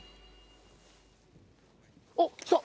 あっきた！